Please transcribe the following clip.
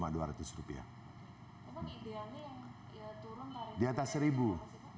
emang ideannya yang turun tarif yang lebih tinggi